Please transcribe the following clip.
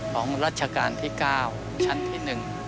รัชกาลที่๙ชั้นที่๑